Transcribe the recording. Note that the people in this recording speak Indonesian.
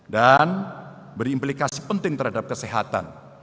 dan berimplikasi penting terhadap kesehatan